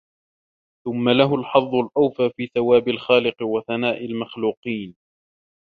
ثُمَّ لَهُ الْحَظُّ الْأَوْفَى فِي ثَوَابِ الْخَالِقِ وَثَنَاءِ الْمَخْلُوقِينَ